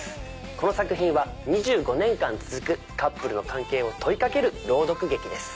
この作品は２５年間続くカップルの関係を問いかける朗読劇です。